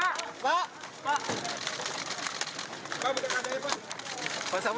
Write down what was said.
oh enggak enggak enggak saya akan menjelaskan